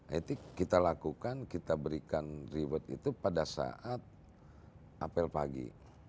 itu kita lakukan kita berikan reward itu pada saat apel pagi